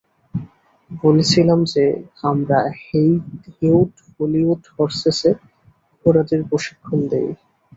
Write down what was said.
বলছিলাম যে, আমরা হেউড হলিউড হর্সেস-এ ঘোড়াদের প্রশিক্ষণ দিই।